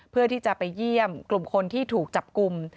เพื่อที่จะไปเยี่ยมกลุ่มคนที่ถูกจับกลุ่ม